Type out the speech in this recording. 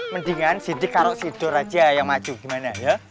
mendingan sidik karo sidur aja yang maju gimana ya